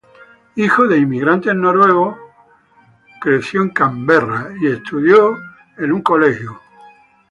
Hijo de inmigrantes noruegos, creció en Brooklyn y estudió en el Brooklyn Technical School.